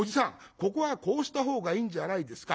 ここはこうしたほうがいいんじゃないですか。